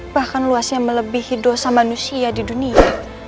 bahkan luasnya melebihi dosa manusia di dunia